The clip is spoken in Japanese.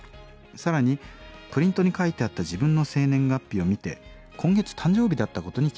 更にプリントに書いてあった自分の生年月日を見て今月誕生日だったことに気付きました。